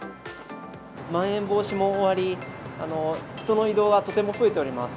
まん延防止も終わり、人の移動はとても増えております。